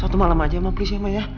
satu malam aja mah please ya mah ya